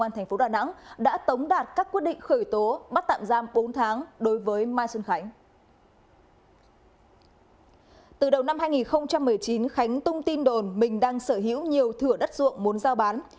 từ đầu năm hai nghìn một mươi chín khánh tung tin đồn mình đang sở hữu nhiều thửa đất ruộng muốn giao bán